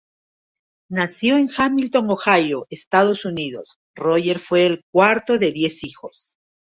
Nació en Hamilton Ohio, Estados Unidos, Roger fue el cuarto de diez hijos.